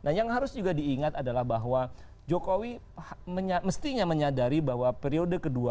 nah yang harus juga diingat adalah bahwa jokowi mestinya menyadari bahwa periode kedua